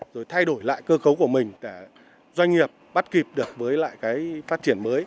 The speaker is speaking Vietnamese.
rồi thay đổi lại cơ cấu của mình để doanh nghiệp bắt kịp được với lại cái phát triển mới